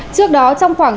trước đó trong khoảng ba năm